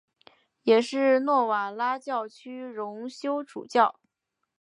也是诺瓦拉教区荣休主教。